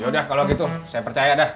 yaudah kalau gitu saya percaya deh